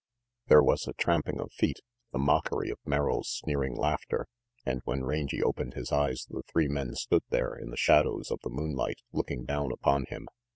There was the tramping of feet, the mockery of Merrill's sneering laughter; and when Rangy opened his eyes, the three men stood there, in the shadows of the moonlight, looking down upon him.